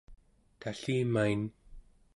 tallimain